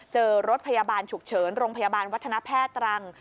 รถพยาบาลฉุกเฉินโรงพยาบาลวัฒนแพทย์ตรัง